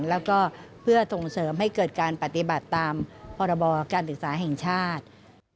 แล้วก็เพื่อส่งเสริมให้เกิดการปฏิบัติตามพรบการศึกษาแห่งชาติ